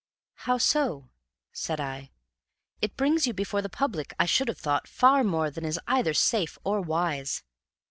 "How so?" said I. "It brings you before the public, I should have thought, far more than is either safe or wise."